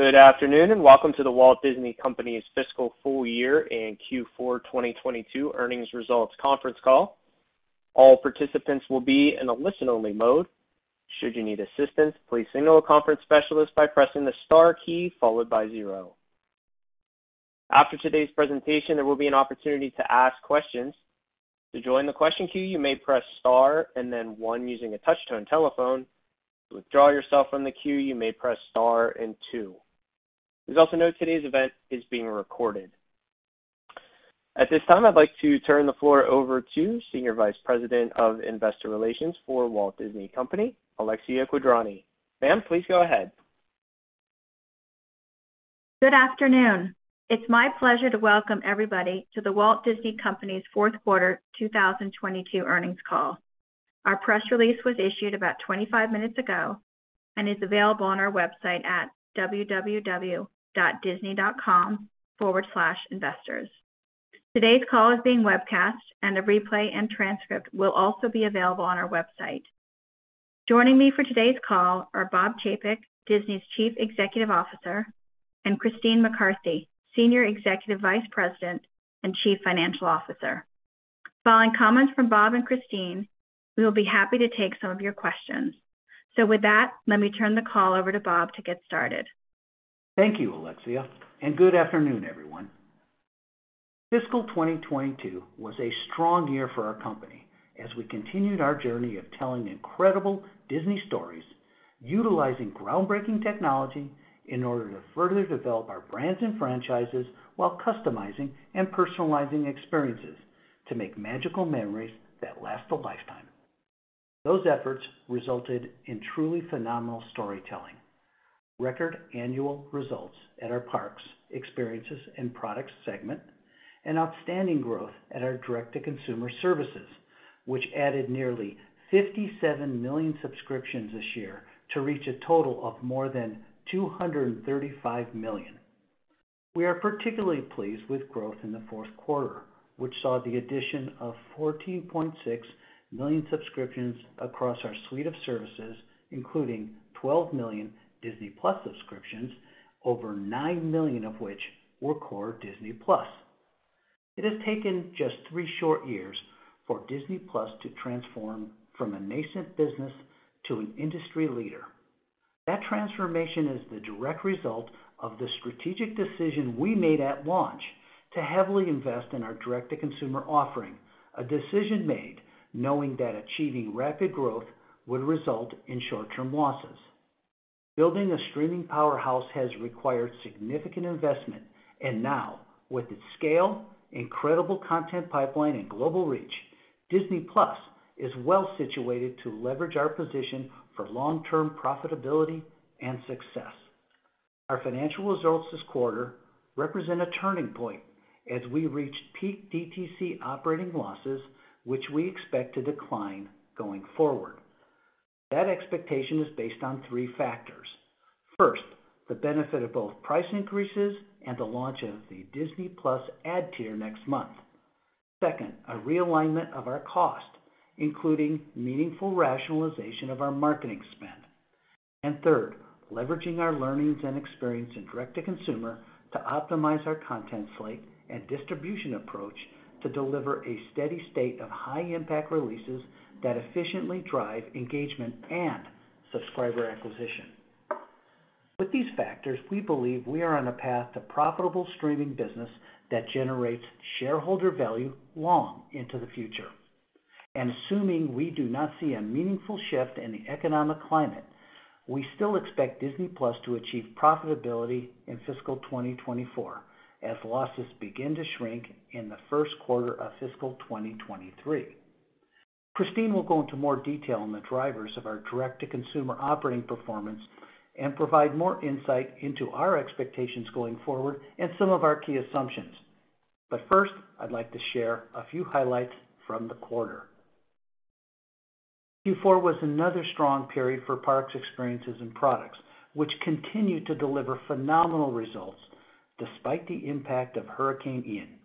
Good afternoon, and welcome to The Walt Disney Company's fiscal full year and Q4 2022 earnings results conference call. All participants will be in a listen-only mode. Should you need assistance, please signal a conference specialist by pressing the star key followed by zero. After today's presentation, there will be an opportunity to ask questions. To join the question queue, you may press star and then one using a touch-tone telephone. To withdraw yourself from the queue, you may press star and two. Please also note today's event is being recorded. At this time, I'd like to turn the floor over to Senior Vice President of investor relations for The Walt Disney Company, Alexia Quadrani. Ma'am, please go ahead. Good afternoon. It's my pleasure to welcome everybody to The Walt Disney Company's fourth quarter 2022 earnings call. Our press release was issued about 25 minutes ago and is available on our website at www.disney.com/investors. Today's call is being webcast, and a replay and transcript will also be available on our website. Joining me for today's call are Bob Chapek, Disney's Chief Executive Officer, and Christine McCarthy, Senior Executive Vice President and Chief Financial Officer. Following comments from Bob and Christine, we will be happy to take some of your questions. With that, let me turn the call over to Bob to get started. Thank you, Alexia, and good afternoon, everyone. Fiscal 2022 was a strong year for our company as we continued our journey of telling incredible Disney stories, utilizing groundbreaking technology in order to further develop our brands and franchises while customizing and personalizing experiences to make magical memories that last a lifetime. Those efforts resulted in truly phenomenal storytelling, record annual results at our parks, experiences, and products segment, and outstanding growth at our direct-to-consumer services, which added nearly 57 million subscriptions this year to reach a total of more than 235 million. We are particularly pleased with growth in the fourth quarter, which saw the addition of 14.6 million subscriptions across our suite of services, including 12 million Disney+ subscriptions, over 9 million of which were core Disney+. It has taken just three short years for Disney+ to transform from a nascent business to an industry leader. That transformation is the direct result of the strategic decision we made at launch to heavily invest in our direct-to-consumer offering, a decision made knowing that achieving rapid growth would result in short-term losses. Building a streaming powerhouse has required significant investment. Now, with its scale, incredible content pipeline, and global reach, Disney+ is well-situated to leverage our position for long-term profitability and success. Our financial results this quarter represent a turning point as we reach peak DTC operating losses, which we expect to decline going forward. That expectation is based on three factors. First, the benefit of both price increases and the launch of the Disney+ ad tier next month. Second, a realignment of our cost, including meaningful rationalization of our marketing spend. Third, leveraging our learnings and experience in direct-to-consumer to optimize our content slate and distribution approach to deliver a steady state of high-impact releases that efficiently drive engagement and subscriber acquisition. With these factors, we believe we are on a path to profitable streaming business that generates shareholder value long into the future. Assuming we do not see a meaningful shift in the economic climate, we still expect Disney+ to achieve profitability in fiscal 2024 as losses begin to shrink in the first quarter of fiscal 2023. Christine will go into more detail on the drivers of our direct-to-consumer operating performance and provide more insight into our expectations going forward and some of our key assumptions. First, I'd like to share a few highlights from the quarter. Q4 was another strong period for Parks, Experiences and Products, which continued to deliver phenomenal results despite the impact of Hurricane Ian.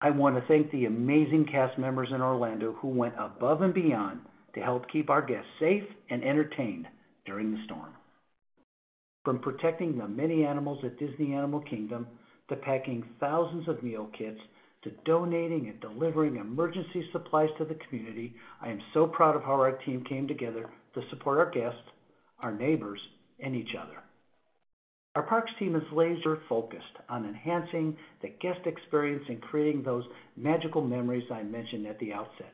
I wanna thank the amazing cast members in Orlando who went above and beyond to help keep our guests safe and entertained during the storm. From protecting the many animals at Disney Animal Kingdom, to packing thousands of meal kits, to donating and delivering emergency supplies to the community, I am so proud of how our team came together to support our guests, our neighbors, and each other. Our parks team is laser-focused on enhancing the guest experience and creating those magical memories I mentioned at the outset.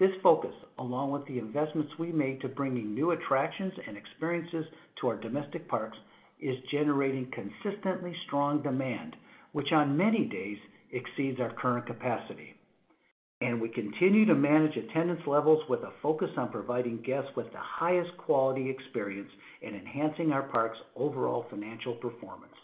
This focus, along with the investments we made to bringing new attractions and experiences to our domestic parks, is generating consistently strong demand, which on many days exceeds our current capacity. We continue to manage attendance levels with a focus on providing guests with the highest quality experience and enhancing our parks' overall financial performance.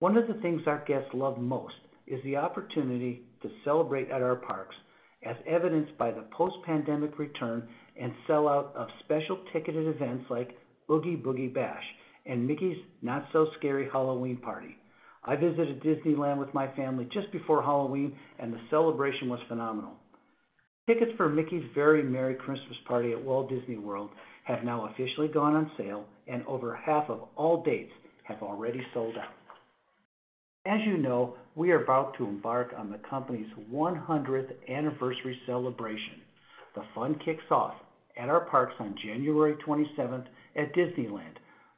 One of the things our guests love most is the opportunity to celebrate at our parks, as evidenced by the post-pandemic return and sell-out of special ticketed events like Oogie Boogie Bash and Mickey's Not-So-Scary Halloween Party. I visited Disneyland with my family just before Halloween, and the celebration was phenomenal. Tickets for Mickey's Very Merry Christmas Party at Walt Disney World have now officially gone on sale, and over half of all dates have already sold out. As you know, we are about to embark on the company's 100th anniversary celebration. The fun kicks off at our parks on January 27th at Disneyland,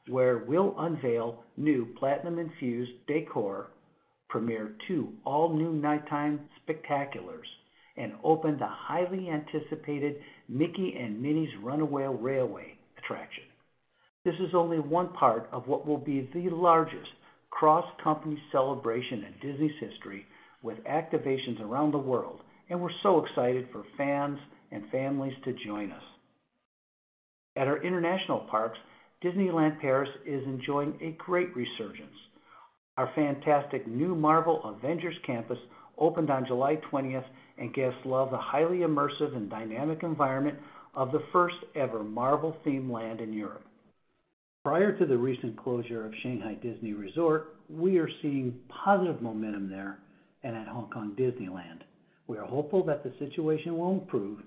where we'll unveil new platinum-infused decor, premiere two all-new nighttime spectaculars, and open the highly anticipated Mickey & Minnie's Runaway Railway attraction. This is only one part of what will be the largest cross-company celebration in Disney's history, with activations around the world, and we're so excited for fans and families to join us. At our international parks, Disneyland Paris is enjoying a great resurgence. Our fantastic new Marvel Avengers Campus opened on July 20th, and guests love the highly immersive and dynamic environment of the first-ever Marvel-themed land in Europe. Prior to the recent closure of Shanghai Disney Resort, we are seeing positive momentum there and at Hong Kong Disneyland. We are hopeful that the situation will improve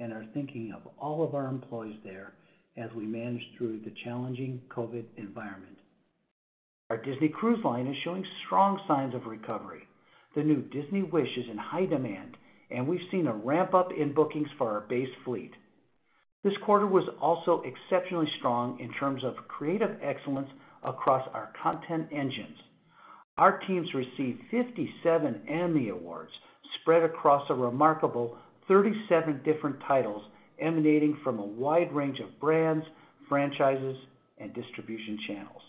and are thinking of all of our employees there as we manage through the challenging COVID environment. Our Disney Cruise Line is showing strong signs of recovery. The new Disney Wish is in high demand, and we've seen a ramp-up in bookings for our base fleet. This quarter was also exceptionally strong in terms of creative excellence across our content engines. Our teams received 57 Emmy Awards spread across a remarkable 37 different titles emanating from a wide range of brands, franchises, and distribution channels.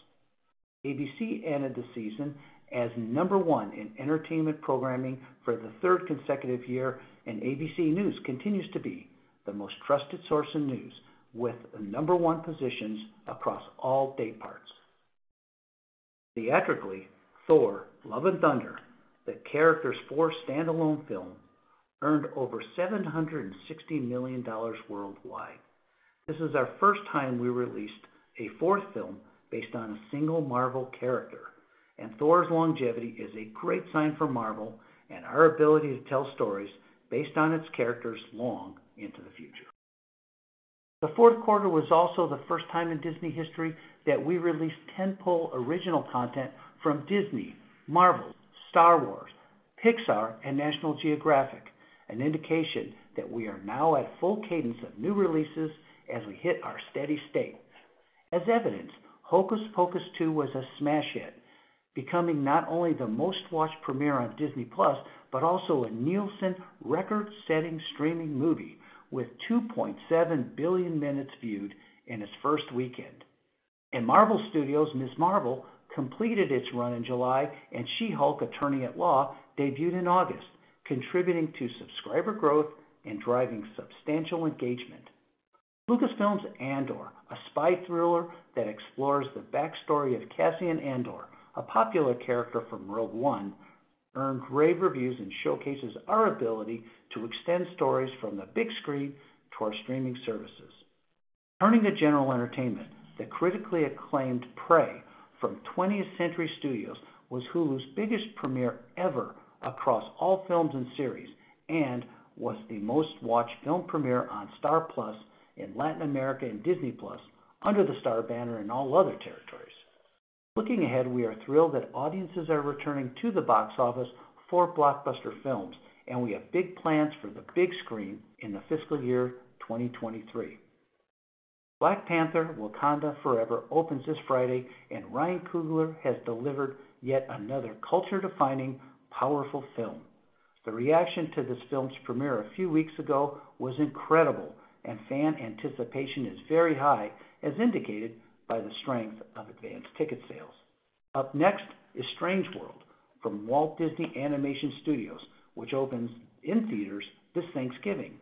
ABC ended the season as number one in entertainment programming for the third consecutive year, and ABC News continues to be the most trusted source in news, with number one positions across all day parts. Theatrically, Thor: Love and Thunder, the character's fourth standalone film, earned over $760 million worldwide. This is our first time we released a fourth film based on a single Marvel character, and Thor's longevity is a great sign for Marvel and our ability to tell stories based on its characters long into the future. The fourth quarter was also the first time in Disney history that we released tent-pole original content from Disney, Marvel, Star Wars, Pixar, and National Geographic, an indication that we are now at full cadence of new releases as we hit our steady state. As evidence, Hocus Pocus 2 was a smash hit, becoming not only the most-watched premiere on Disney+ but also a Nielsen record-setting streaming movie with 2.7 billion minutes viewed in its first weekend. In Marvel Studios, Ms. Marvel completed its run in July, and She-Hulk: Attorney at Law debuted in August, contributing to subscriber growth and driving substantial engagement. Lucasfilm's Andor, a spy thriller that explores the backstory of Cassian Andor, a popular character from Rogue One, earned rave reviews and showcases our ability to extend stories from the big screen to our streaming services. In general entertainment, the critically acclaimed Prey from 20th Century Studios was Hulu's biggest premiere ever across all films and series and was the most-watched film premiere on Star+ in Latin America and Disney+ under the Star banner in all other territories. Looking ahead, we are thrilled that audiences are returning to the box office for blockbuster films, and we have big plans for the big screen in the fiscal year 2023. Black Panther: Wakanda Forever opens this Friday, and Ryan Coogler has delivered yet another culture-defining, powerful film. The reaction to this film's premiere a few weeks ago was incredible, and fan anticipation is very high, as indicated by the strength of advanced ticket sales. Up next is Strange World from Walt Disney Animation Studios, which opens in theaters this Thanksgiving.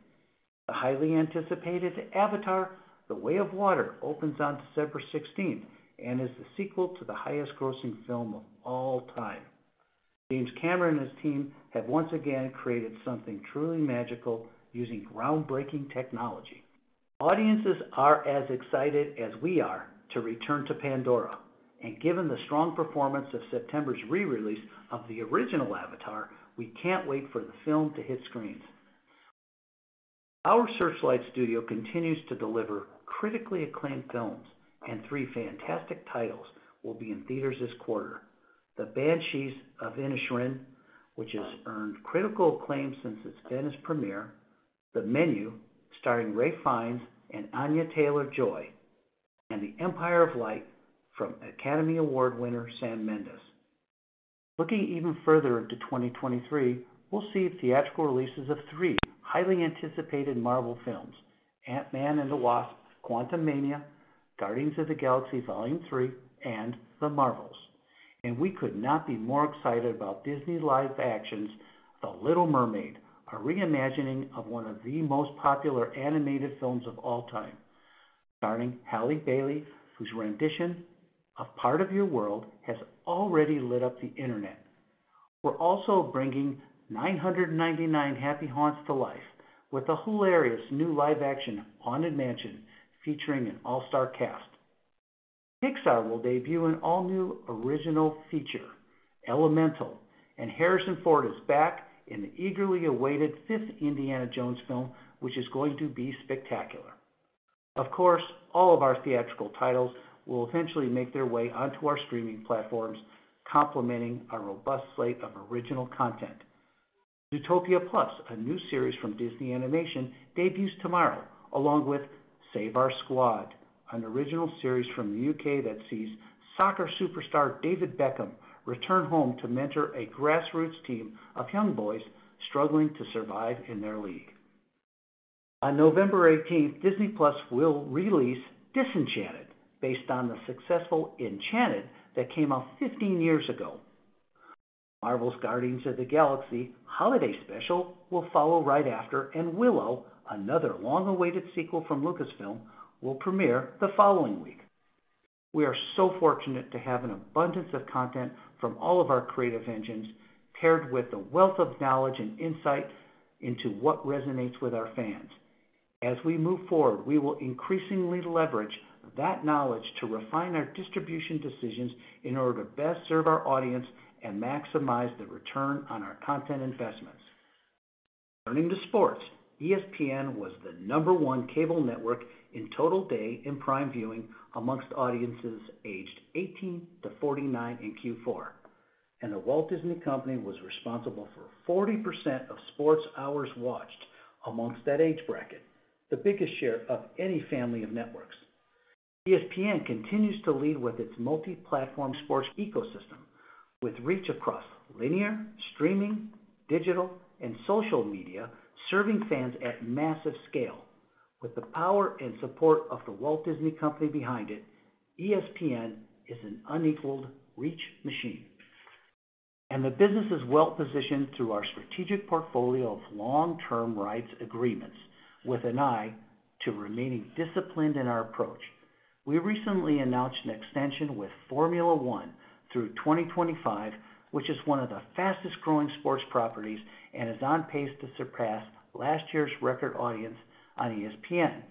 The highly anticipated Avatar: The Way of Water opens on December 16th and is the sequel to the highest-grossing film of all time. James Cameron and his team have once again created something truly magical using groundbreaking technology. Audiences are as excited as we are to return to Pandora and given the strong performance of September's re-release of the original Avatar, we can't wait for the film to hit screens. Our Searchlight Pictures continues to deliver critically acclaimed films, and three fantastic titles will be in theaters this quarter. The Banshees of Inisherin, which has earned critical acclaim since its Venice premiere. The Menu, starring Ralph Fiennes and Anya Taylor-Joy. And Empire of Light from Academy Award winner Sam Mendes. Looking even further into 2023, we'll see theatrical releases of three highly anticipated Marvel films. Ant-Man and the Wasp: Quantumania, Guardians of the Galaxy Vol. 3 and The Marvels. We could not be more excited about Disney's live action The Little Mermaid, a reimagining of one of the most popular animated films of all time, starring Halle Bailey, whose rendition of Part of Your World has already lit up the internet. We're also bringing 999 happy haunts to life with the hilarious new live-action Haunted Mansion featuring an all-star cast. Pixar will debut an all-new original feature, Elemental, and Harrison Ford is back in the eagerly awaited fifth Indiana Jones film, which is going to be spectacular. Of course, all of our theatrical titles will eventually make their way onto our streaming platforms, complementing our robust slate of original content. Zootopia+, a new series from Disney Animation, debuts tomorrow, along with Save Our Squad, an original series from the U.K. that sees soccer superstar David Beckham return home to mentor a grassroots team of young boys struggling to survive in their league. On November 18th, Disney+ will release Disenchanted, based on the successful Enchanted that came out 15 years ago. Marvel's Guardians of the Galaxy holiday special will follow right after, and Willow, another long-awaited sequel from Lucasfilm, will premiere the following week. We are so fortunate to have an abundance of content from all of our creative engines, paired with a wealth of knowledge and insight into what resonates with our fans. As we move forward, we will increasingly leverage that knowledge to refine our distribution decisions in order to best serve our audience and maximize the return on our content investments. Turning to sports, ESPN was the number one cable network in total day and prime viewing among audiences aged 18-49 in Q4, and The Walt Disney Company was responsible for 40% of sports hours watched among that age bracket, the biggest share of any family of networks. ESPN continues to lead with its multi-platform sports ecosystem, with reach across linear, streaming, digital, and social media, serving fans at massive scale. With the power and support of The Walt Disney Company behind it, ESPN is an unequaled reach machine. The business is well-positioned through our strategic portfolio of long-term rights agreements with an eye to remaining disciplined in our approach. We recently announced an extension with Formula One through 2025, which is one of the fastest-growing sports properties and is on pace to surpass last year's record audience on ESPN.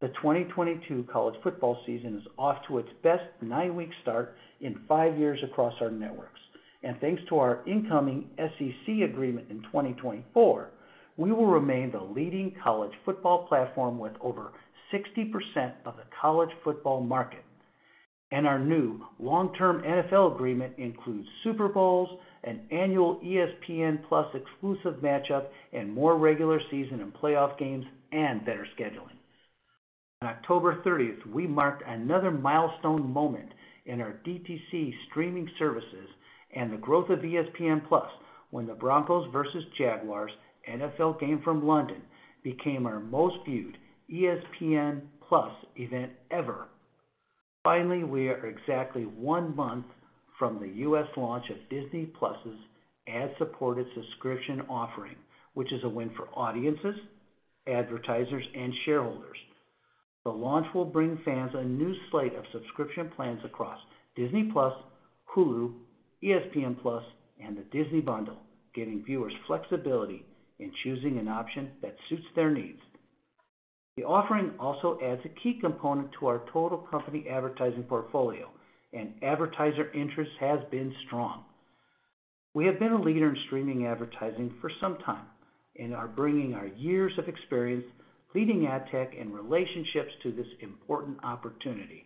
The 2022 college football season is off to its best nine-week start in five years across our networks. Thanks to our incoming SEC agreement in 2024, we will remain the leading college football platform with over 60% of the college football market. Our new long-term NFL agreement includes Super Bowls, an annual ESPN+ exclusive matchup, and more regular season and playoff games, and better scheduling. On October 30th, we marked another milestone moment in our DTC streaming services and the growth of ESPN+ when the Broncos versus Jaguars NFL game from London became our most-viewed ESPN+ event ever. Finally, we are exactly 1 month from the U.S. launch of Disney+'s ad-supported subscription offering, which is a win for audiences, advertisers, and shareholders. The launch will bring fans a new slate of subscription plans across Disney+, Hulu, ESPN+, and the Disney Bundle, giving viewers flexibility in choosing an option that suits their needs. The offering also adds a key component to our total company advertising portfolio, and advertiser interest has been strong. We have been a leader in streaming advertising for some time and are bringing our years of experience leading ad tech and relationships to this important opportunity.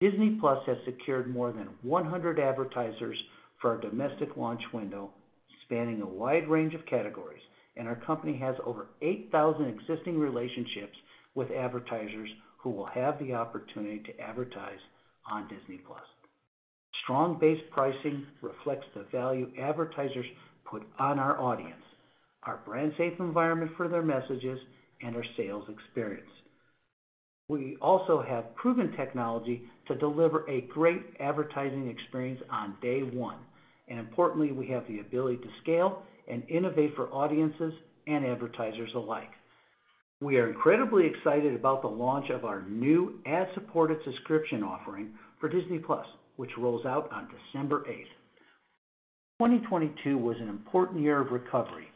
Disney+ has secured more than 100 advertisers for our domestic launch window, spanning a wide range of categories, and our company has over 8,000 existing relationships with advertisers who will have the opportunity to advertise on Disney+. Strong base pricing reflects the value advertisers put on our audience, our brand-safe environment for their messages, and our sales experience. We also have proven technology to deliver a great advertising experience on day one, and importantly, we have the ability to scale and innovate for audiences and advertisers alike. We are incredibly excited about the launch of our new ad-supported subscription offering for Disney+, which rolls out on December 8. 2022 was an important year of recovery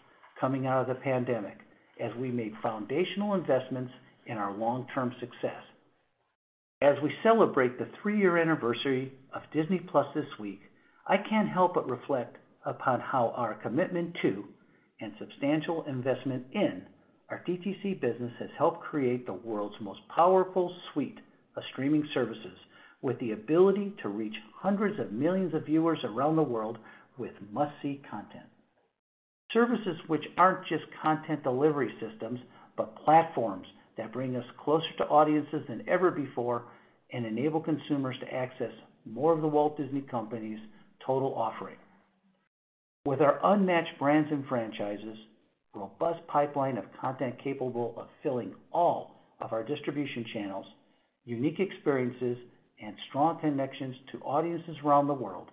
coming out of the pandemic as we made foundational investments in our long-term success. As we celebrate the three-year anniversary of Disney+ this week, I can't help but reflect upon how our commitment to and substantial investment in our DTC business has helped create the world's most powerful suite of streaming services with the ability to reach hundreds of millions of viewers around the world with must-see content. Services which aren't just content delivery systems, but platforms that bring us closer to audiences than ever before and enable consumers to access more of The Walt Disney Company's total offering. With our unmatched brands and franchises, robust pipeline of content capable of filling all of our distribution channels, unique experiences, and strong connections to audiences around the world,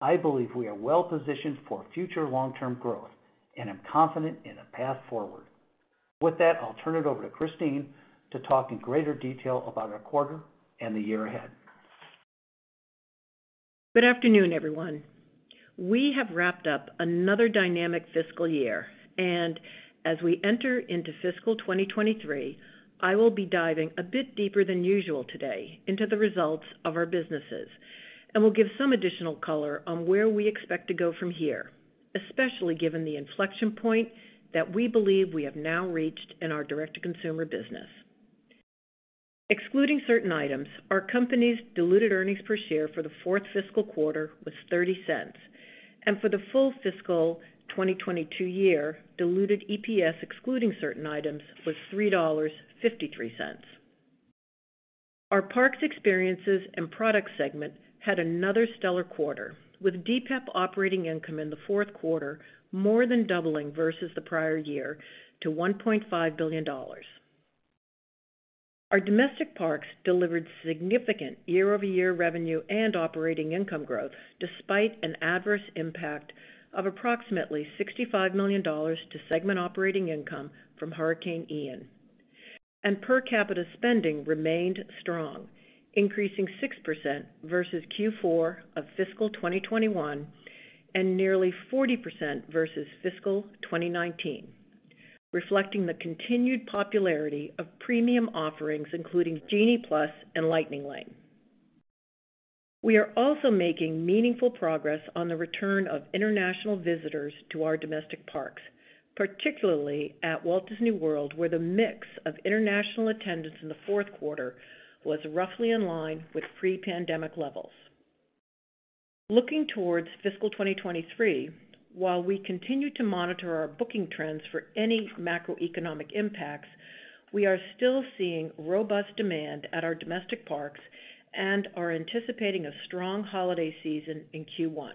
I believe we are well-positioned for future long-term growth and am confident in the path forward. With that, I'll turn it over to Christine to talk in greater detail about our quarter and the year ahead. Good afternoon, everyone. We have wrapped up another dynamic fiscal year. As we enter into fiscal 2023, I will be diving a bit deeper than usual today into the results of our businesses and will give some additional color on where we expect to go from here, especially given the inflection point that we believe we have now reached in our direct-to-consumer business. Excluding certain items, our company's diluted earnings per share for the fourth fiscal quarter was $0.30. For the full fiscal 2022 year, diluted EPS, excluding certain items, was $3.53. Our parks experiences and products segment had another stellar quarter, with DPEP operating income in the fourth quarter more than doubling versus the prior year to $1.5 billion. Our domestic parks delivered significant year-over-year revenue and operating income growth despite an adverse impact of approximately $65 million to segment operating income from Hurricane Ian. Per capita spending remained strong, increasing 6% versus Q4 of fiscal 2021 and nearly 40% versus fiscal 2019, reflecting the continued popularity of premium offerings, including Genie+ and Lightning Lane. We are also making meaningful progress on the return of international visitors to our domestic parks, particularly at Walt Disney World, where the mix of international attendance in the fourth quarter was roughly in line with pre-pandemic levels. Looking toward fiscal 2023, while we continue to monitor our booking trends for any macroeconomic impacts, we are still seeing robust demand at our domestic parks and are anticipating a strong holiday season in Q1.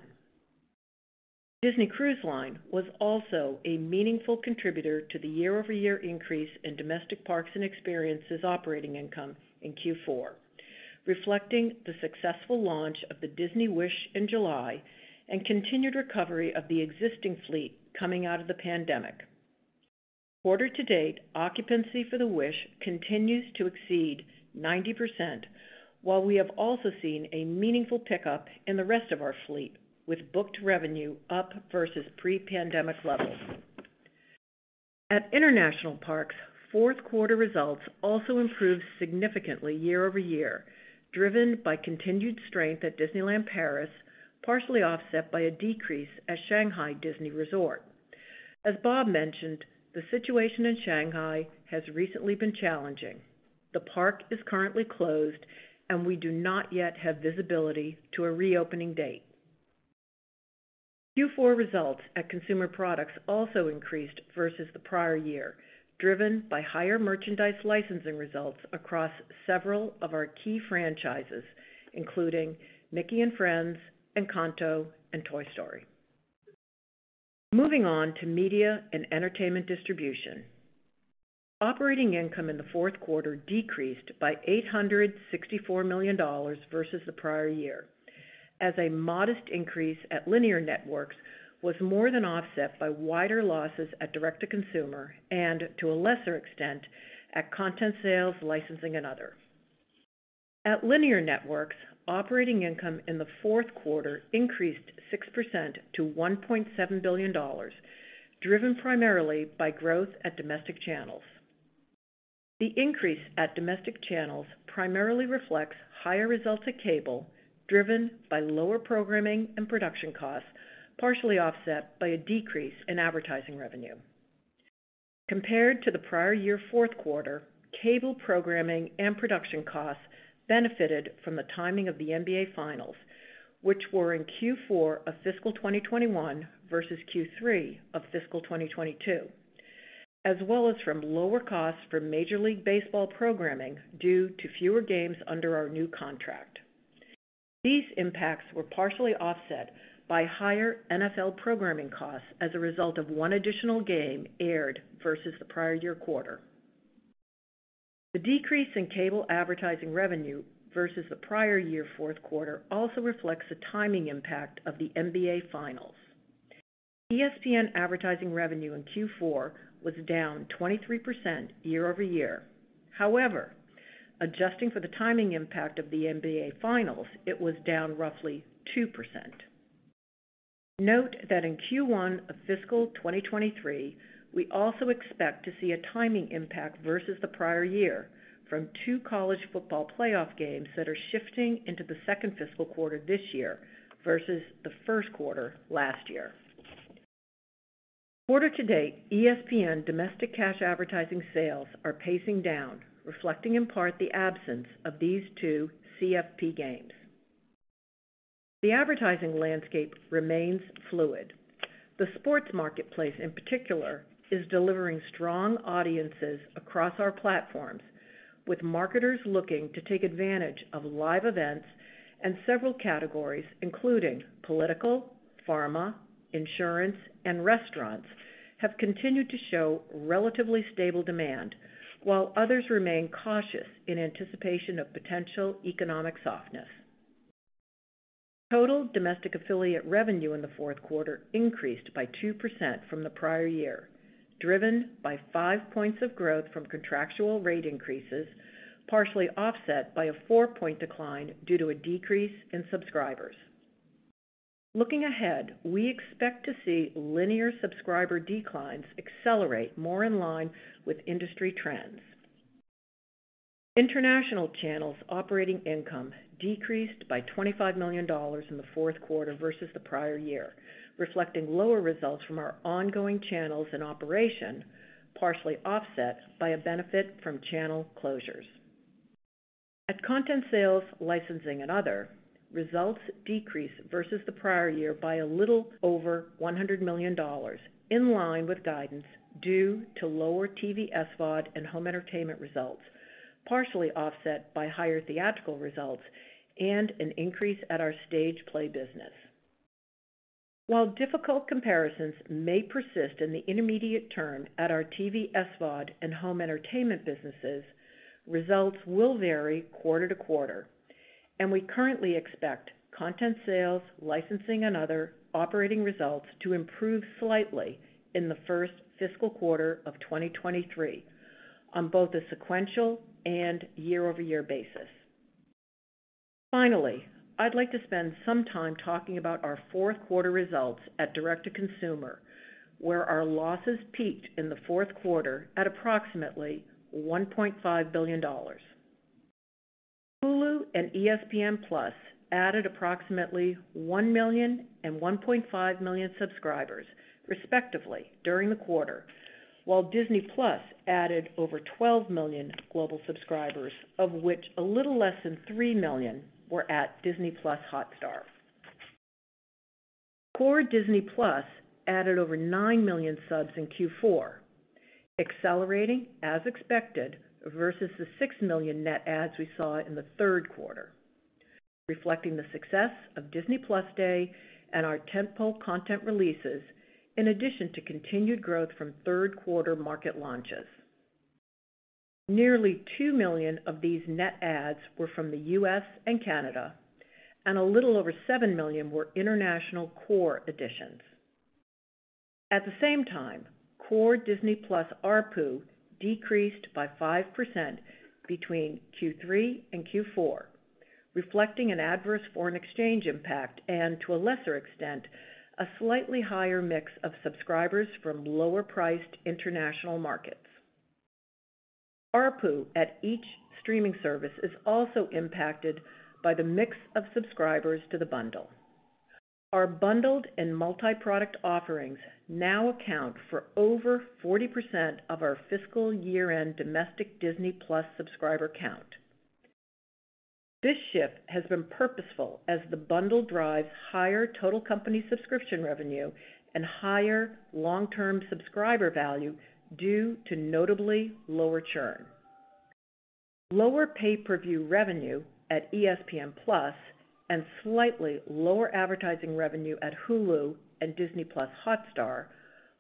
Disney Cruise Line was also a meaningful contributor to the year-over-year increase in domestic parks and experiences operating income in Q4, reflecting the successful launch of the Disney Wish in July and continued recovery of the existing fleet coming out of the pandemic. Quarter-to-date, occupancy for the Wish continues to exceed 90%, while we have also seen a meaningful pickup in the rest of our fleet, with booked revenue up versus pre-pandemic levels. At International Parks, fourth quarter results also improved significantly year-over-year, driven by continued strength at Disneyland Paris, partially offset by a decrease at Shanghai Disney Resort. As Bob mentioned, the situation in Shanghai has recently been challenging. The park is currently closed, and we do not yet have visibility to a reopening date. Q4 results at Consumer Products also increased versus the prior year, driven by higher merchandise licensing results across several of our key franchises, including Mickey & Friends, Encanto, and Toy Story. Moving on to Media and Entertainment Distribution. Operating income in the fourth quarter decreased by $864 million versus the prior year, as a modest increase at linear networks was more than offset by wider losses at direct to consumer and, to a lesser extent, at content sales, licensing, and other. At linear networks, operating income in the fourth quarter increased 6% to $1.7 billion, driven primarily by growth at domestic channels. The increase at domestic channels primarily reflects higher results at cable, driven by lower programming and production costs, partially offset by a decrease in advertising revenue. Compared to the prior year fourth quarter, cable programming and production costs benefited from the timing of the NBA Finals, which were in Q4 of fiscal 2021 versus Q3 of fiscal 2022, as well as from lower costs for Major League Baseball programming due to fewer games under our new contract. These impacts were partially offset by higher NFL programming costs as a result of one additional game aired versus the prior year quarter. The decrease in cable advertising revenue versus the prior year fourth quarter also reflects the timing impact of the NBA Finals. ESPN advertising revenue in Q4 was down 23% year-over-year. However, adjusting for the timing impact of the NBA Finals, it was down roughly 2%. Note that in Q1 of fiscal 2023, we also expect to see a timing impact versus the prior year from two college football playoff games that are shifting into the second fiscal quarter this year versus the first quarter last year. Quarter-to-date, ESPN domestic cash advertising sales are pacing down, reflecting in part the absence of these two CFP games. The advertising landscape remains fluid. The sports marketplace, in particular, is delivering strong audiences across our platforms, with marketers looking to take advantage of live events and several categories, including political, pharma, insurance, and restaurants, have continued to show relatively stable demand, while others remain cautious in anticipation of potential economic softness. Total domestic affiliate revenue in the fourth quarter increased by 2% from the prior year. Driven by five points of growth from contractual rate increases, partially offset by a four-point decline due to a decrease in subscribers. Looking ahead, we expect to see linear subscriber declines accelerate more in line with industry trends. International channels operating income decreased by $25 million in the fourth quarter versus the prior year, reflecting lower results from our ongoing channels and operation, partially offset by a benefit from channel closures. At content sales, licensing and other, results decreased versus the prior year by a little over $100 million, in line with guidance due to lower TV SVOD and home entertainment results, partially offset by higher theatrical results and an increase at our stage play business. While difficult comparisons may persist in the intermediate term at our TV SVOD and home entertainment businesses, results will vary quarter-to-quarter, and we currently expect content sales, licensing and other operating results to improve slightly in the first fiscal quarter of 2023 on both a sequential and year-over-year basis. Finally, I'd like to spend some time talking about our fourth quarter results at direct-to-consumer, where our losses peaked in the fourth quarter at approximately $1.5 billion. Hulu and ESPN+ added approximately 1 million and 1.5 million subscribers respectively during the quarter, while Disney+ added over 12 million global subscribers, of which a little less than 3 million were at Disney+ Hotstar. Core Disney+ added over 9 million subs in Q4, accelerating as expected versus the 6 million net adds we saw in the third quarter, reflecting the success of Disney+ Day and our tentpole content releases, in addition to continued growth from third quarter market launches. Nearly 2 million of these net adds were from the U.S. and Canada, and a little over 7 million were international core additions. At the same time, core Disney+ ARPU decreased by 5% between Q3 and Q4, reflecting an adverse foreign exchange impact and to a lesser extent, a slightly higher mix of subscribers from lower-priced international markets. ARPU at each streaming service is also impacted by the mix of subscribers to the bundle. Our bundled and multiproduct offerings now account for over 40% of our fiscal year-end domestic Disney+ subscriber count. This shift has been purposeful as the bundle drives higher total company subscription revenue and higher long-term subscriber value due to notably lower churn. Lower pay-per-view revenue at ESPN+ and slightly lower advertising revenue at Hulu and Disney+ Hotstar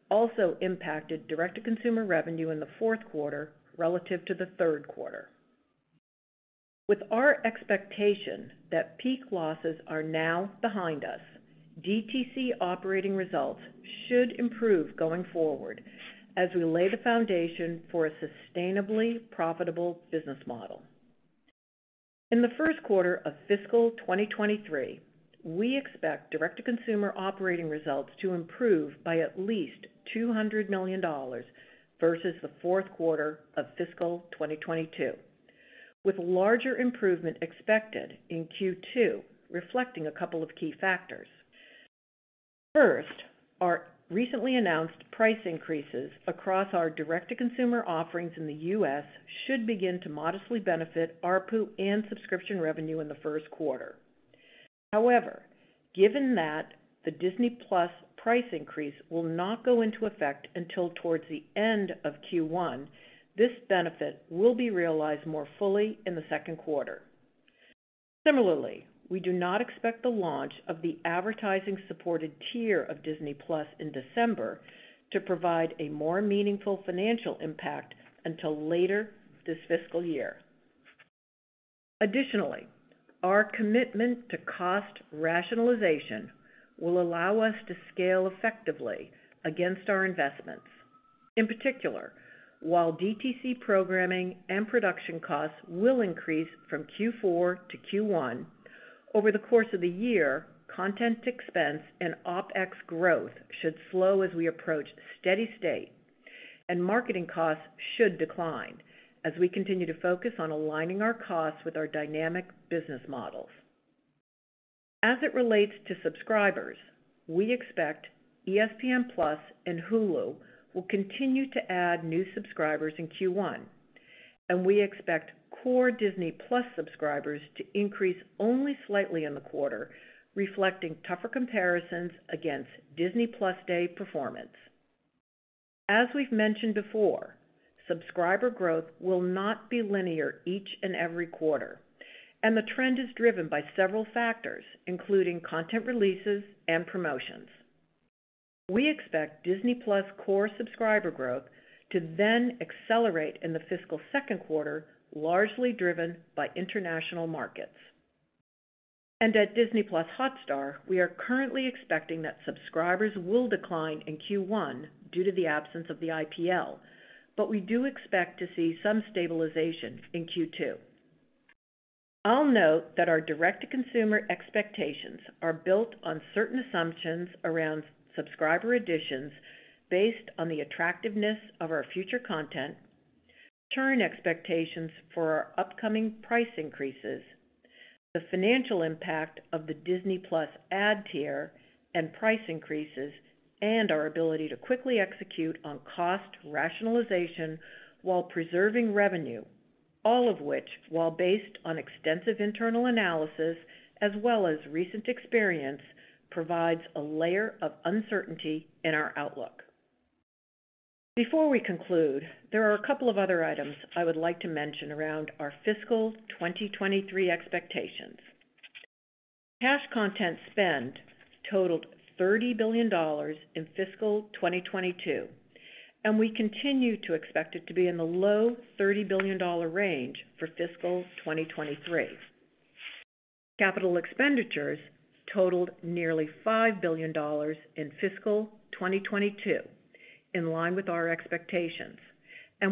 also impacted direct-to-consumer revenue in the fourth quarter relative to the third quarter. With our expectation that peak losses are now behind us, DTC operating results should improve going forward as we lay the foundation for a sustainably profitable business model. In the first quarter of fiscal 2023, we expect direct-to-consumer operating results to improve by at least $200 million versus the fourth quarter of fiscal 2022, with larger improvement expected in Q2 reflecting a couple of key factors. First, our recently announced price increases across our direct-to-consumer offerings in the U.S. should begin to modestly benefit ARPU and subscription revenue in the first quarter. However, given that the Disney+ price increase will not go into effect until towards the end of Q1, this benefit will be realized more fully in the second quarter. Similarly, we do not expect the launch of the advertising-supported tier of Disney+ in December to provide a more meaningful financial impact until later this fiscal year. Additionally, our commitment to cost rationalization will allow us to scale effectively against our investments. In particular, while DTC programming and production costs will increase from Q4-Q1 over the course of the year, content expense and OpEx growth should slow as we approach steady state, and marketing costs should decline as we continue to focus on aligning our costs with our dynamic business models. As it relates to subscribers, we expect ESPN+ and Hulu will continue to add new subscribers in Q1, and we expect core Disney+ subscribers to increase only slightly in the quarter, reflecting tougher comparisons against Disney+ Day performance. As we've mentioned before, subscriber growth will not be linear each and every quarter, and the trend is driven by several factors, including content releases and promotions. We expect Disney+ core subscriber growth to then accelerate in the fiscal second quarter, largely driven by international markets. At Disney+ Hotstar, we are currently expecting that subscribers will decline in Q1 due to the absence of the IPL, but we do expect to see some stabilization in Q2. I'll note that our direct-to-consumer expectations are built on certain assumptions around subscriber additions based on the attractiveness of our future content, return expectations for our upcoming price increases, the financial impact of the Disney+ ad tier and price increases, and our ability to quickly execute on cost rationalization while preserving revenue, all of which, while based on extensive internal analysis as well as recent experience, provides a layer of uncertainty in our outlook. Before we conclude, there are a couple of other items I would like to mention around our fiscal 2023 expectations. Cash content spends totaled $30 billion in fiscal 2022, and we continue to expect it to be in the low $30 billion range for fiscal 2023. Capital expenditures totaled nearly $5 billion in fiscal 2022, in line with our expectations.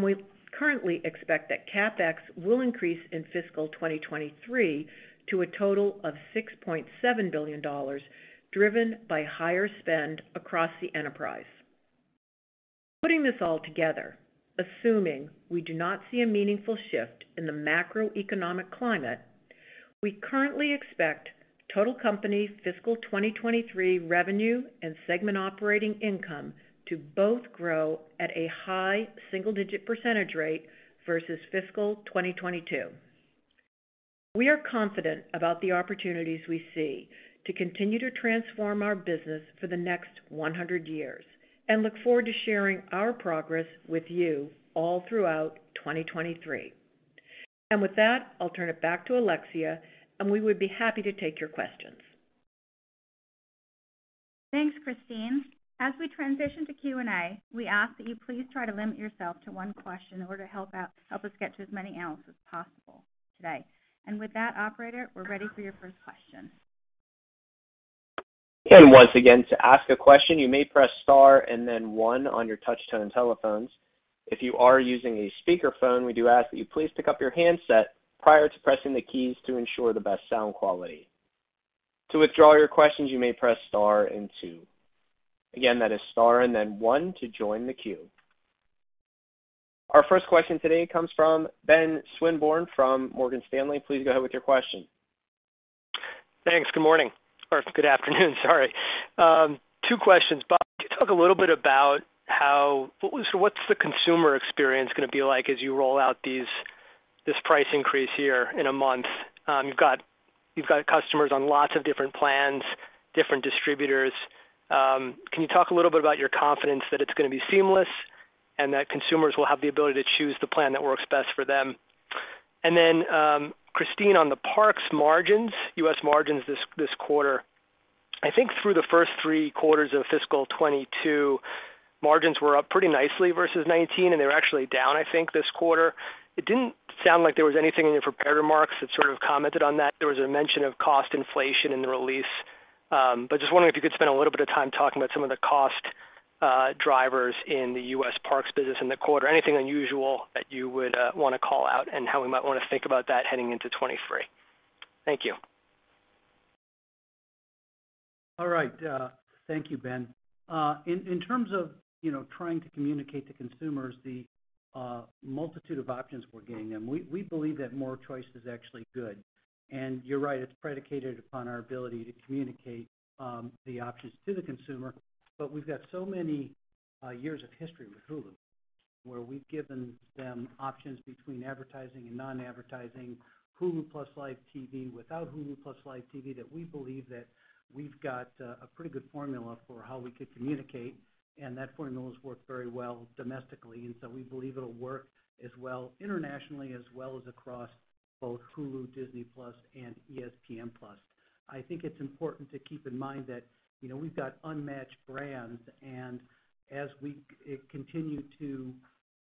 We currently expect that CapEx will increase in fiscal 2023 to a total of $6.7 billion, driven by higher spend across the enterprise. Putting this all together, assuming we do not see a meaningful shift in the macroeconomic climate, we currently expect total company fiscal 2023 revenue and segment operating income to both grow at a high single-digit % rate versus fiscal 2022. We are confident about the opportunities we see to continue to transform our business for the next 100 years and look forward to sharing our progress with you all throughout 2023. With that, I'll turn it back to Alexia, and we would be happy to take your questions. Thanks, Christine. As we transition to Q&A, we ask that you please try to limit yourself to one question in order to help us get to as many analysts as possible today. With that, operator, we're ready for your first question. Once again, to ask a question, you may press star and then one on your touch-tone telephones. If you are using a speakerphone, we do ask that you please pick up your handset prior to pressing the keys to ensure the best sound quality. To withdraw your questions, you may press star and two. Again, that is star and then one to join the queue. Our first question today comes from Ben Swinburne from Morgan Stanley. Please go ahead with your question. Thanks. Good morning, or good afternoon, sorry. Two questions. Bob, could you talk a little bit about what's the consumer experience gonna be like as you roll out this price increase here in a month? You've got customers on lots of different plans, different distributors. Can you talk a little bit about your confidence that it's gonna be seamless and that consumers will have the ability to choose the plan that works best for them? Christine, on the parks margins, U.S. margins this quarter, I think through the first three quarters of fiscal 2022, margins were up pretty nicely versus 2019, and they were actually down, I think, this quarter. It didn't sound like there was anything in your prepared remarks that sort of commented on that. There was a mention of cost inflation in the release. Just wondering if you could spend a little bit of time talking about some of the cost drivers in the U.S. parks business in the quarter, anything unusual that you would wanna call out and how we might wanna think about that heading into 2023. Thank you. All right. Thank you, Ben. In terms of, you know, trying to communicate to consumers the multitude of options we're giving them, we believe that more choice is actually good. You're right, it's predicated upon our ability to communicate the options to the consumer. We've got so many years of history with Hulu, where we've given them options between advertising and non-advertising, Hulu + Live TV, without Hulu + Live TV, that we believe that we've got a pretty good formula for how we could communicate, and that formula has worked very well domestically. We believe it'll work as well internationally as well as across both Hulu, Disney+, and ESPN+. I think it's important to keep in mind that, you know, we've got unmatched brands, and as we continue to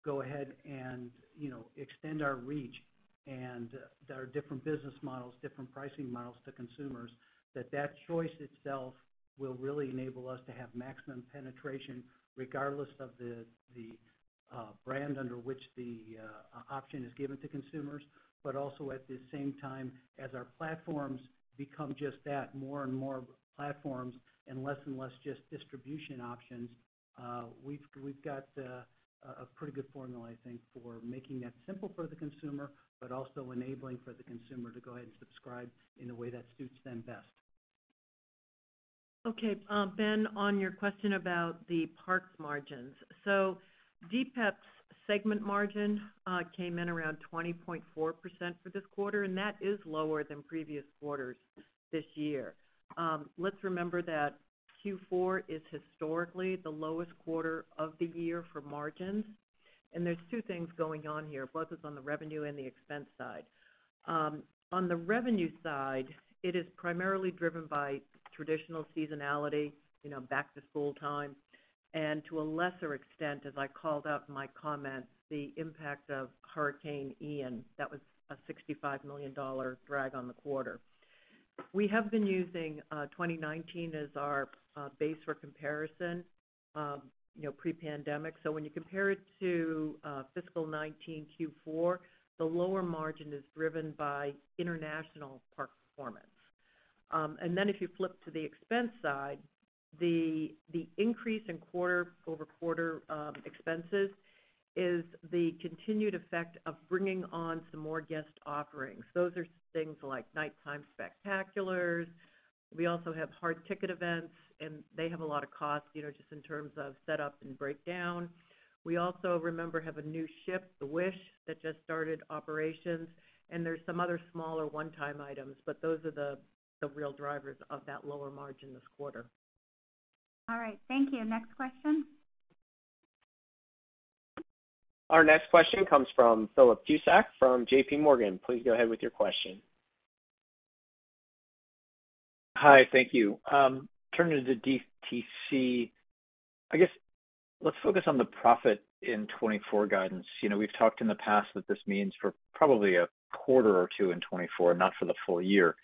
go ahead and, you know, extend our reach and there are different business models, different pricing models to consumers, that choice itself will really enable us to have maximum penetration regardless of the brand under which the option is given to consumers, but also at the same time as our platforms become just that, more and more platforms and less and less just distribution options, we've got a pretty good formula, I think, for making that simple for the consumer, but also enabling for the consumer to go ahead and subscribe in a way that suits them best. Okay, Ben, on your question about the parks margins. DPEP's segment margin came in around 20.4% for this quarter, and that is lower than previous quarters this year. Let's remember that Q4 is historically the lowest quarter of the year for margins. There's two things going on here, both is on the revenue and the expense side. On the revenue side, it is primarily driven by traditional seasonality, you know, back-to-school time, and to a lesser extent, as I called out in my comments, the impact of Hurricane Ian. That was a $65 million drag on the quarter. We have been using 2019 as our base for comparison, you know, pre-pandemic. When you compare it to fiscal 2019 Q4, the lower margin is driven by international park performance. If you flip to the expense side, the increase in quarter-over-quarter expenses is the continued effect of bringing on some more guest offerings. Those are things like nighttime spectaculars. We also have hard ticket events, and they have a lot of costs, you know, just in terms of setup and breakdown. We also have a new ship, the Disney Wish, that just started operations, and there's some other smaller one-time items, but those are the real drivers of that lower margin this quarter. All right. Thank you. Next question. Our next question comes from Philip Cusick from JPMorgan. Please go ahead with your question. Hi. Thank you. Turning to DTC, I guess let's focus on the profit in 2024 guidance. You know, we've talked in the past that this means for probably a quarter or two in 2024, not for the full year.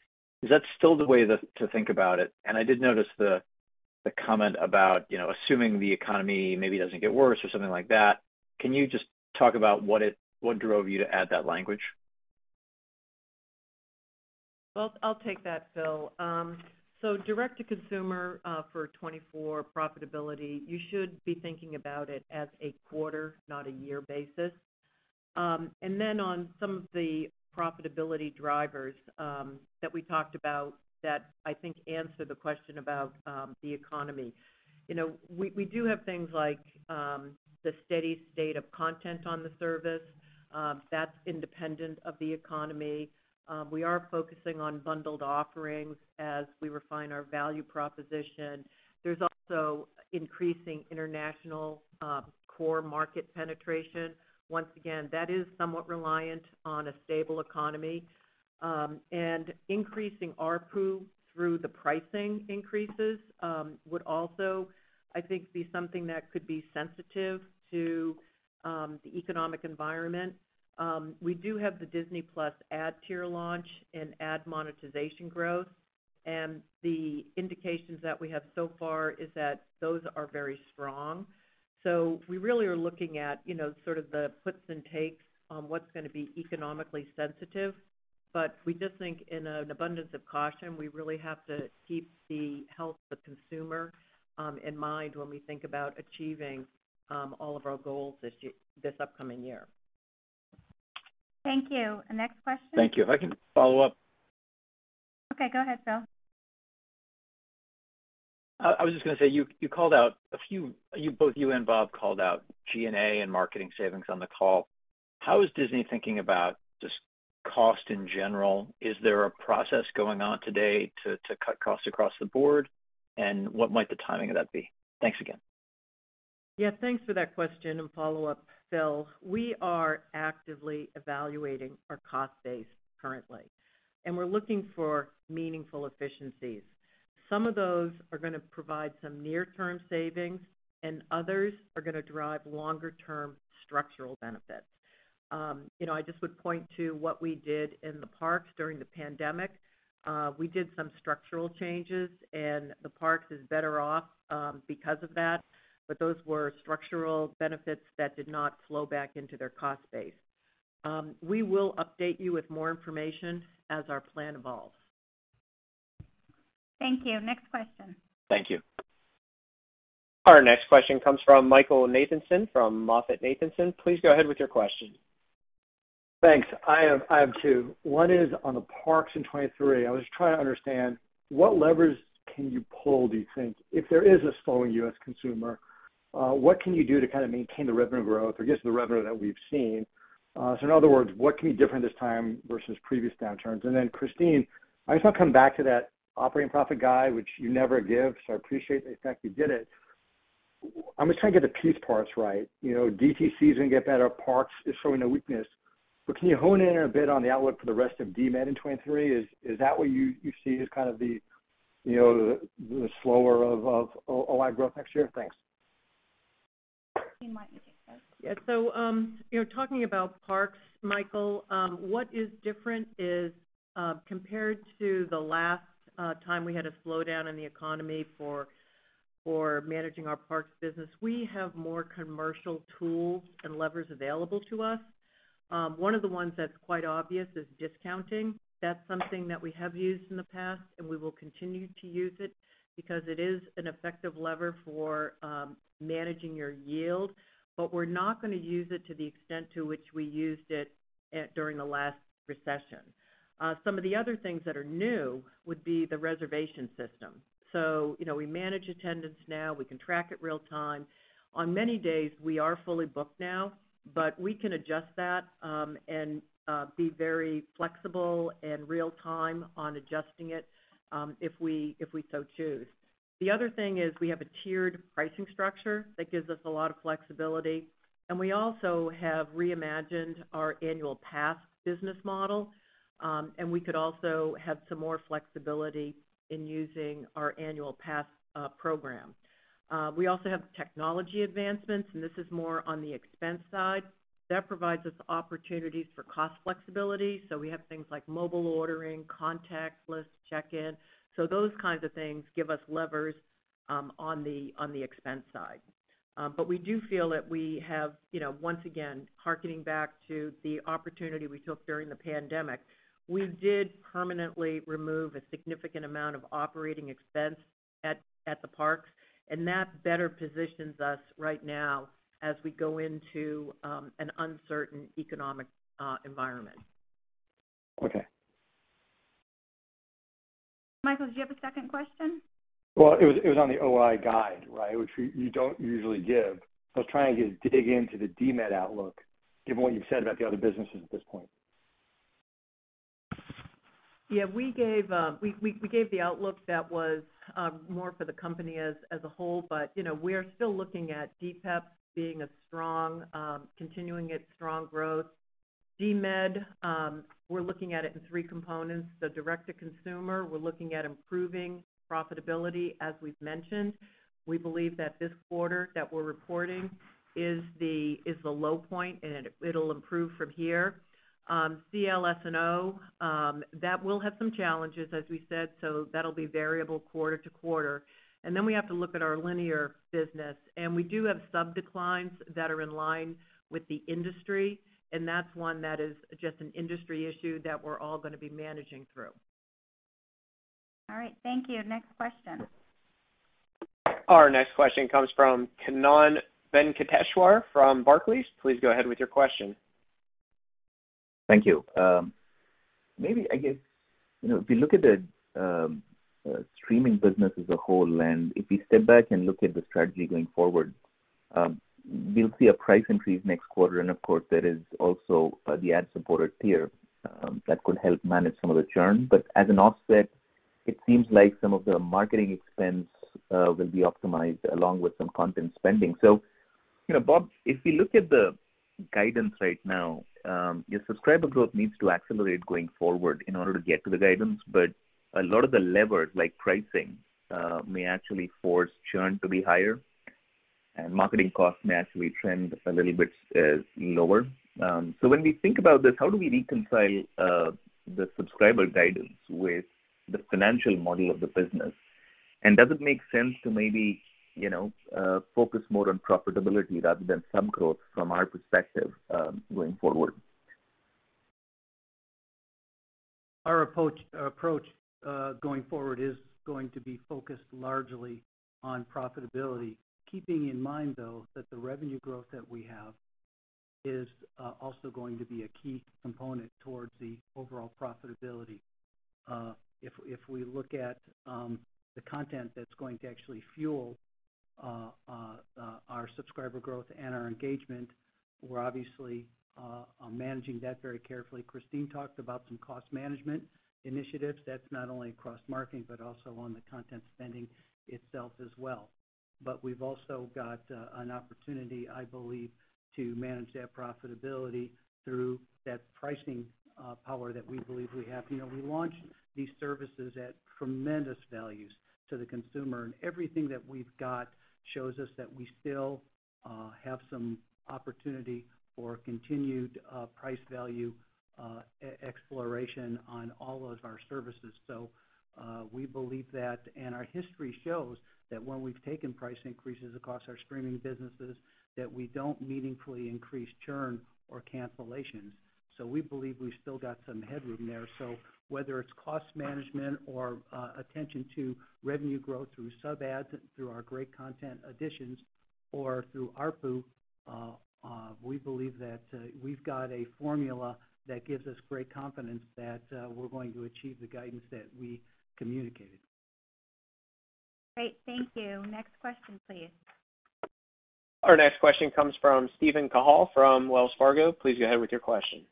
Is that still the way to think about it? I did notice the comment about, you know, assuming the economy maybe doesn't get worse or something like that. Can you just talk about what drove you to add that language? Well, I'll take that, Phil. Direct-to-consumer, for 2024 profitability, you should be thinking about it as a quarter, not a year basis. Then on some of the profitability drivers, that we talked about that I think answer the question about the economy. You know, we do have things like the steady state of content on the service. That's independent of the economy. We are focusing on bundled offerings as we refine our value proposition. There's also increasing international core market penetration. Once again, that is somewhat reliant on a stable economy. Increasing ARPU through the pricing increases would also, I think, be something that could be sensitive to the economic environment. We do have the Disney+ ad tier launch and ad monetization growth. The indications that we have so far is that those are very strong. We really are looking at, you know, sort of the puts and takes on what's gonna be economically sensitive. We just think in an abundance of caution, we really have to keep the health of the consumer in mind when we think about achieving all of our goals this upcoming year. Thank you. Next question. Thank you. If I can follow up. Okay, go ahead, Phil. I was just gonna say, you both, you and Bob called out G&A and marketing savings on the call. How is Disney thinking about just cost in general? Is there a process going on today to cut costs across the board? What might the timing of that be? Thanks again. Yeah. Thanks for that question and follow-up, Phil. We are actively evaluating our cost base currently, and we're looking for meaningful efficiencies. Some of those are gonna provide some near-term savings and others are gonna drive longer term structural benefits. You know, I just would point to what we did in the parks during the pandemic. We did some structural changes and the parks is better off, because of that, but those were structural benefits that did not flow back into their cost base. We will update you with more information as our plan evolves. Thank you. Next question. Thank you. Our next question comes from Michael Nathanson from MoffettNathanson. Please go ahead with your question. Thanks. I have two. One is on the parks in 2023. I was just trying to understand what levers can you pull, do you think? If there is a slowing U.S. consumer, what can you do to kind of maintain the revenue growth or just the revenue that we've seen? So in other words, what can be different this time versus previous downturns? Then Christine, I just wanna come back to that operating profit guide, which you never give, so I appreciate the fact you did it. I'm just trying to get the piece parts right. You know, DTC doesn't get better, parks is showing a weakness. But can you hone in a bit on the outlook for the rest of DMED in 2023? Is that what you see as kind of the, you know, the slower of OI growth next year? Thanks. Christine, why don't you take that? Yeah. You know, talking about parks, Michael, what is different is, compared to the last time we had a slowdown in the economy for managing our parks business, we have more commercial tools and levers available to us. One of the ones that's quite obvious is discounting. That's something that we have used in the past, and we will continue to use it because it is an effective lever for managing your yield. But we're not gonna use it to the extent to which we used it during the last recession. Some of the other things that are new would be the reservation system. So we manage attendance now, we can track it real-time. On many days, we are fully booked now, but we can adjust that, and be very flexible and real-time on adjusting it, if we so choose. The other thing is we have a tiered pricing structure that gives us a lot of flexibility, and we also have reimagined our annual pass business model, and we could also have some more flexibility in using our annual pass program. We also have technology advancements, and this is more on the expense side. That provides us opportunities for cost flexibility. We have things like mobile ordering, contactless check-in. Those kinds of things give us levers on the expense side. We do feel that we have, you know, once again, harkening back to the opportunity we took during the pandemic, we did permanently remove a significant amount of operating expense at the parks, and that better positions us right now as we go into an uncertain economic environment. Okay. Michael, do you have a second question? Well, it was on the OI guide, right? Which you don't usually give. I was trying to dig into the DMED outlook, given what you've said about the other businesses at this point. We gave the outlook that was more for the company as a whole, but you know, we're still looking at DPEP being a strong continuing its strong growth. DMED, we're looking at it in three components. The direct-to-consumer, we're looking at improving profitability, as we've mentioned. We believe that this quarter that we're reporting is the low point, and it'll improve from here. CLS&O, that will have some challenges, as we said, so that'll be variable quarter to quarter. We have to look at our linear business. We do have sub declines that are in line with the industry, and that's one that is just an industry issue that we're all gonna be managing through. All right. Thank you. Next question. Our next question comes from Kannan Venkateshwar from Barclays. Please go ahead with your question. Thank you. Maybe, I guess, you know, if you look at the streaming business as a whole, and if we step back and look at the strategy going forward, we'll see a price increase next quarter, and of course, there is also the ad-supported tier that could help manage some of the churn. As an offset, it seems like some of the marketing expense will be optimized along with some content spending. You know, Bob, if we look at the guidance right now, your subscriber growth needs to accelerate going forward in order to get to the guidance. A lot of the levers, like pricing, may actually force churn to be higher, and marketing costs may actually trend a little bit lower. When we think about this, how do we reconcile the subscriber guidance with the financial model of the business? Does it make sense to maybe, you know, focus more on profitability rather than some growth from our perspective going forward? Our approach going forward is going to be focused largely on profitability. Keeping in mind, though, that the revenue growth that we have is also going to be a key component towards the overall profitability. If we look at the content that's going to actually fuel our subscriber growth and our engagement, we're obviously managing that very carefully. Christine talked about some cost management initiatives. That's not only across marketing, but also on the content spending itself as well. But we've also got an opportunity, I believe, to manage that profitability through that pricing power that we believe we have. You know, we launched these services at tremendous values to the consumer, and everything that we've got shows us that we still have some opportunity for continued price value exploration on all of our services. We believe that, and our history shows that when we've taken price increases across our streaming businesses, that we don't meaningfully increase churn or cancellations. We believe we've still got some headroom there. Whether it's cost management or attention to revenue growth through sub-ads, through our great content additions, or through ARPU, we believe that we've got a formula that gives us great confidence that we're going to achieve the guidance that we communicated. Great. Thank you. Next question, please. Our next question comes from Steven Cahall from Wells Fargo. Please go ahead with your question.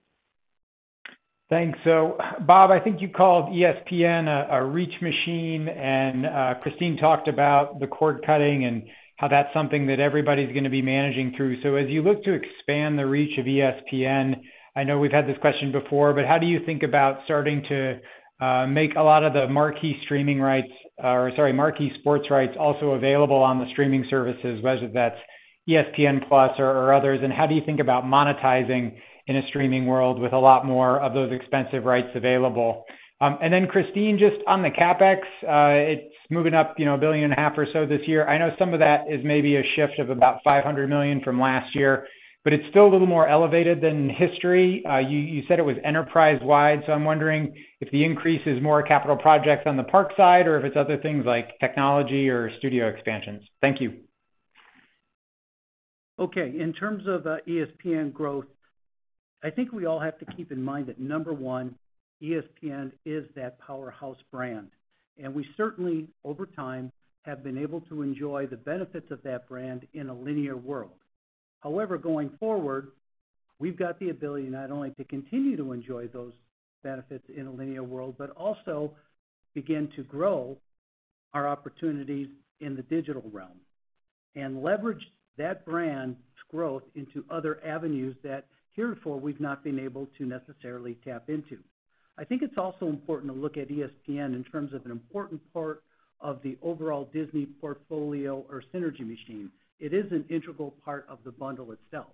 Thanks. Bob, I think you called ESPN a reach machine, and Christine talked about the cord-cutting and how that's something that everybody's gonna be managing through. As you look to expand the reach of ESPN, I know we've had this question before, but how do you think about starting to make a lot of the marquee streaming rights or, sorry, marquee sports rights also available on the streaming services, whether that's ESPN+ or others? And how do you think about monetizing in a streaming world with a lot more of those expensive rights available? And then Christine, just on the CapEx, it's moving up, you know, $1.5 billion or so this year. I know some of that is maybe a shift of about $500 million from last year, but it's still a little more elevated than history. You said it was enterprise-wide, so I'm wondering if the increase is more capital projects on the park side or if it's other things like technology or studio expansions. Thank you. Okay. In terms of ESPN growth, I think we all have to keep in mind that number one, ESPN is that powerhouse brand, and we certainly, over time, have been able to enjoy the benefits of that brand in a linear world. However, going forward, we've got the ability not only to continue to enjoy those benefits in a linear world, but also begin to grow our opportunities in the digital realm and leverage that brand's growth into other avenues that heretofore we've not been able to necessarily tap into. I think it's also important to look at ESPN in terms of an important part of the overall Disney portfolio or synergy machine. It is an integral part of the bundle itself.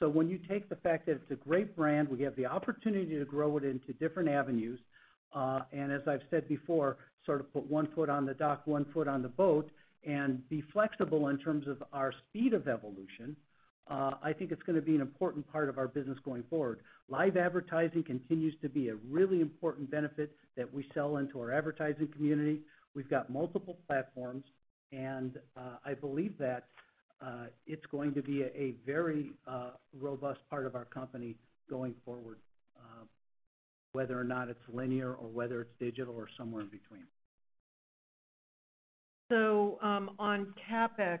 When you take the fact that it's a great brand, we have the opportunity to grow it into different avenues. As I've said before, sort of put one foot on the dock, one foot on the boat and be flexible in terms of our speed of evolution, I think it's gonna be an important part of our business going forward. Live advertising continues to be a really important benefit that we sell into our advertising community. We've got multiple platforms, and I believe that it's going to be a very robust part of our company going forward, whether or not it's linear or whether it's digital or somewhere in between. So on CapEx,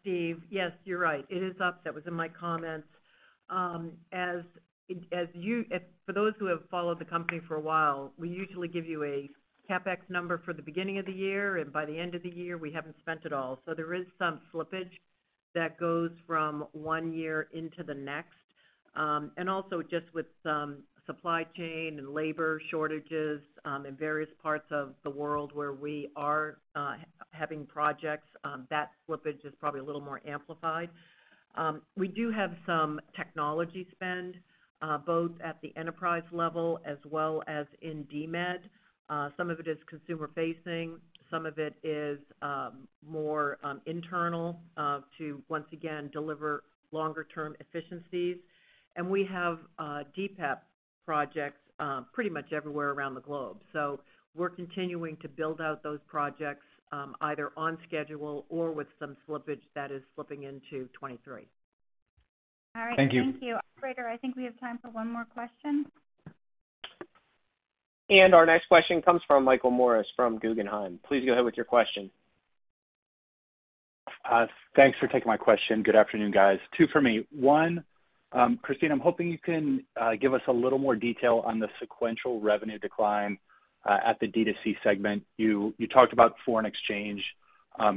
Steve, yes, you're right. It is up. That was in my comments. For those who have followed the company for a while, we usually give you a CapEx number for the beginning of the year, and by the end of the year, we haven't spent it all. There is some slippage that goes from one year into the next. Also just with some supply chain and labor shortages in various parts of the world where we are having projects, that slippage is probably a little more amplified. We do have some technology spend both at the enterprise level as well as in DMED. Some of it is consumer-facing, some of it is more internal to once again deliver longer term efficiencies. We have DPEP projects pretty much everywhere around the globe. We're continuing to build out those projects either on schedule or with some slippage that is slipping into 2023. Thank you. All right. Thank you. Operator, I think we have time for one more question. Our next question comes from Michael Morris from Guggenheim. Please go ahead with your question. Thanks for taking my question. Good afternoon, guys. Two for me. One, Christine, I'm hoping you can give us a little more detail on the sequential revenue decline at the D2C segment. You talked about foreign exchange.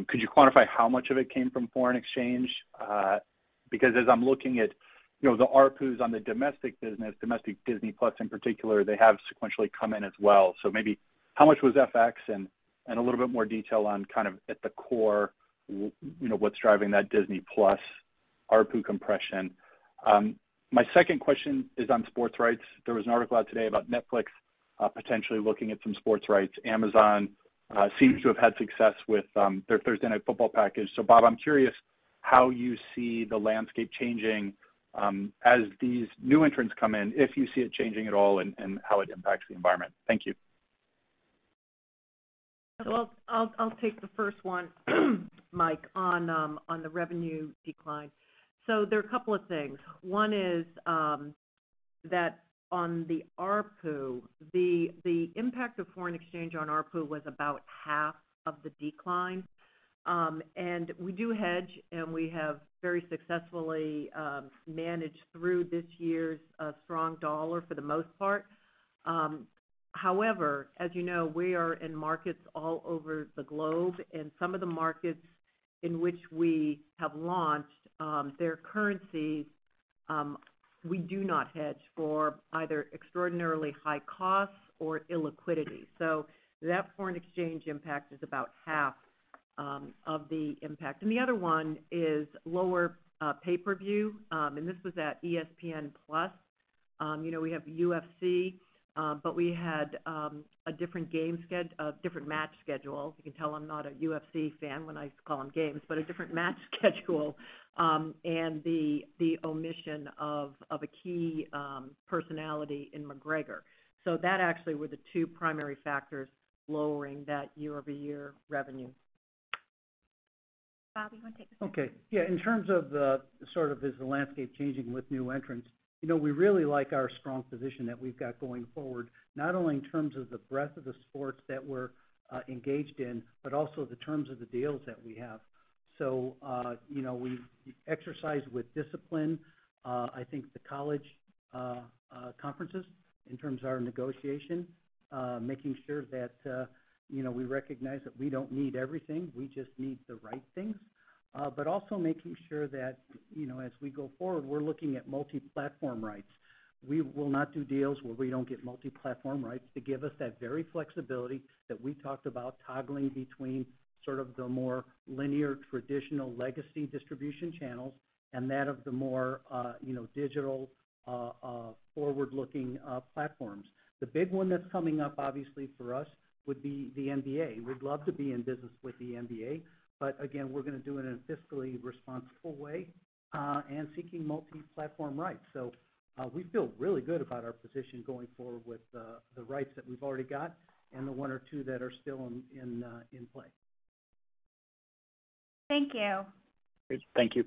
Could you quantify how much of it came from foreign exchange? Because as I'm looking at, you know, the ARPU on the domestic business, domestic Disney Plus in particular, they have sequentially come in as well. So maybe how much was FX? And a little bit more detail on kind of at the core, you know, what's driving that Disney Plus ARPU compression. My second question is on sports rights. There was an article out today about Netflix potentially looking at some sports rights. Amazon seems to have had success with their Thursday Night Football package. Bob, I'm curious how you see the landscape changing, as these new entrants come in, if you see it changing at all and how it impacts the environment. Thank you. I'll take the first one, Mike, on the revenue decline. There are a couple of things. One is that on the ARPU, the impact of foreign exchange on ARPU was about half of the decline. We do hedge, and we have very successfully managed through this year's strong dollar for the most part. However, as you know, we are in markets all over the globe, and some of the markets in which we have launched, their currency we do not hedge for either extraordinarily high costs or illiquidity. That foreign exchange impact is about half of the impact. The other one is lower pay-per-view. This was at ESPN+. You know, we have UFC, but we had a different match schedule. You can tell I'm not a UFC fan when I call them games, but a different match schedule. The omission of a key personality in McGregor. That actually were the two primary factors lowering that year-over-year revenue. Bob, you wanna take this one? Okay. Yeah, in terms of the landscape changing with new entrants, you know, we really like our strong position that we've got going forward, not only in terms of the breadth of the sports that we're engaged in, but also the terms of the deals that we have. We exercise with discipline, I think the college conferences in terms of our negotiation, making sure that, you know, we recognize that we don't need everything, we just need the right things. Also making sure that, you know, as we go forward, we're looking at multi-platform rights. We will not do deals where we don't get multi-platform rights to give us that very flexibility that we talked about toggling between sort of the more linear, traditional legacy distribution channels and that of the more, you know, digital, forward-looking, platforms. The big one that's coming up obviously for us would be the NBA. We'd love to be in business with the NBA, but again, we're gonna do it in a fiscally responsible way, and seeking multi-platform rights. We feel really good about our position going forward with the rights that we've already got and the one or two that are still in play. Thank you. Great. Thank you.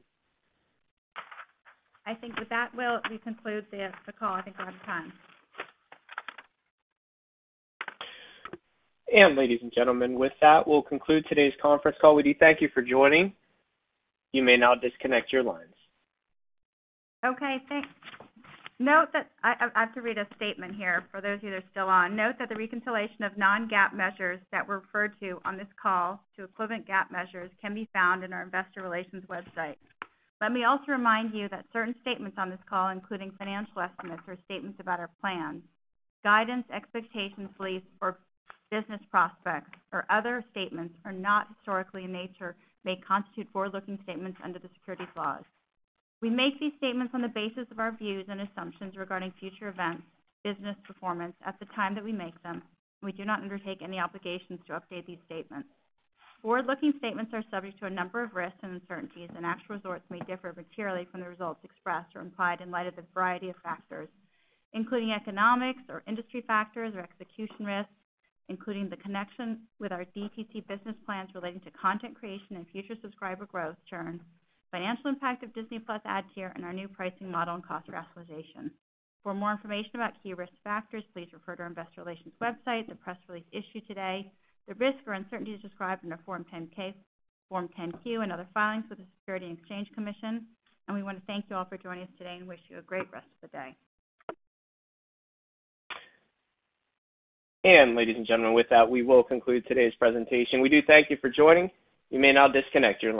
I think with that, we'll conclude the call. I think we're out of time. Ladies and gentlemen, with that, we'll conclude today's conference call. We do thank you for joining. You may now disconnect your lines. Okay, thanks. Note that I have to read a statement here for those of you that are still on. Note that the reconciliation of non-GAAP measures that were referred to on this call to equivalent GAAP measures can be found in our investor relations website. Let me also remind you that certain statements on this call, including financial estimates or statements about our plans, guidance, expectations, beliefs or business prospects or other statements are not historical in nature, may constitute forward-looking statements under the securities laws. We make these statements on the basis of our views and assumptions regarding future events, business performance at the time that we make them, and we do not undertake any obligations to update these statements. Forward-looking statements are subject to a number of risks and uncertainties, and actual results may differ materially from the results expressed or implied in light of the variety of factors, including economic or industry factors or execution risks, including in connection with our DTC business plans relating to content creation and future subscriber growth; in turn, financial impact of Disney+ ad tier, and our new pricing model and cost rationalization. For more information about key risk factors, please refer to our investor relations website, the press release issued today, the risks or uncertainties described in our Form 10-K, Form 10-Q and other filings with the Securities and Exchange Commission. We wanna thank you all for joining us today and wish you a great rest of the day. Ladies and gentlemen, with that, we will conclude today's presentation. We do thank you for joining. You may now disconnect your lines.